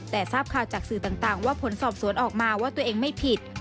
แต่ทราบข่าวจากสื่อต่างว่าผลสอบสวนออกมาว่าตัวเองไม่ผิด